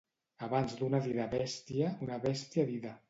Abans d'una dida bèstia, una bèstia dida.